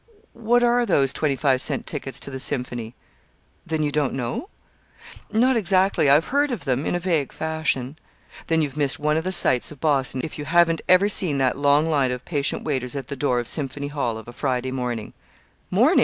"What are those twenty five cent tickets to the Symphony?" "Then you don't know?" "Not exactly. I've heard of them, in a vague fashion." "Then you've missed one of the sights of Boston if you haven't ever seen that long line of patient waiters at the door of Symphony Hall of a Friday morning." "Morning!